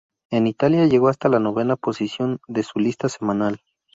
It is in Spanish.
En Italia llegó hasta la novena posición de su lista semanal.